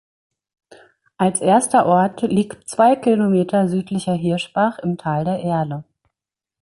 Als erster Ort liegt zwei Kilometer südlicher Hirschbach im Tal der Erle.